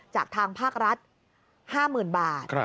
จากทางภาครัฐ๕๐๐๐บาท